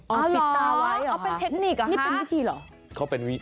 เอาเป็นเทคนิคเหรอคะนี่เป็นวิธีเหรอ